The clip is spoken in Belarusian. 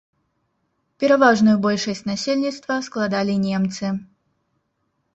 Пераважную большасць насельніцтва складалі немцы.